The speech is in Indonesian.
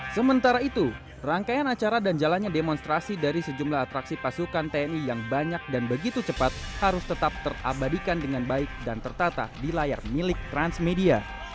sementara itu rangkaian acara dan jalannya demonstrasi dari sejumlah atraksi pasukan tni yang banyak dan begitu cepat harus tetap terabadikan dengan baik dan tertata di layar milik transmedia